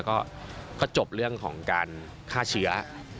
ก็จบเรื่องของการฆ่าเชื้อ